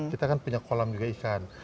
kita kan punya kolam juga ikan